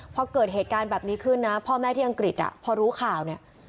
พอเกิดเหตุการณ์แบบนี้ขึ้นนะพ่อแม่ที่อังกฤษอ่ะพอรู้ข่าวเนี่ย